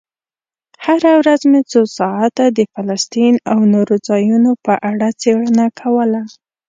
هره ورځ مې څو ساعته د فلسطین او نورو ځایونو په اړه څېړنه کوله.